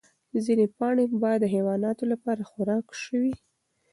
ځینې پاڼې به د حیواناتو لپاره خوراک شي.